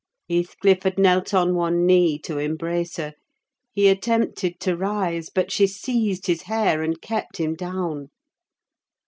Heathcliff had knelt on one knee to embrace her; he attempted to rise, but she seized his hair, and kept him down.